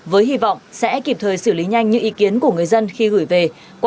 với hy vọng sẽ kịp thời xử lý nhanh những ý kiến của người dân khi gửi về